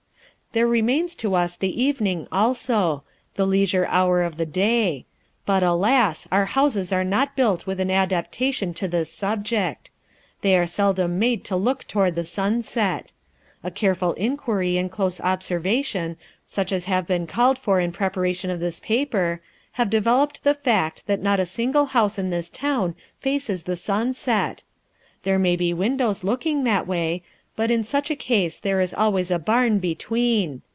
There remains to us the evening, also, the leisure hour of the day. But, alas! our houses are not built with an adaptation to this subject. They are seldom made to look toward the sunset. A careful inquiry and close observation, such as have been called for in preparation of this paper, have developed the fact that not a single house in this town faces the sunset! There may be windows looking that way, but in such a case there is always a barn between.